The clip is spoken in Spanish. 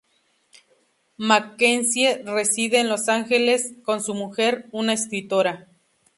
Mackenzie reside en Los Ángeles con su mujer, una escritora.